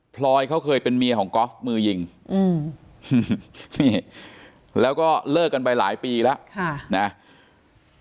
พลอยเค้าเคยเป็นเมียของก๊อฟมือยิงแล้วก็เลิกกันไปหลายปีแล้ว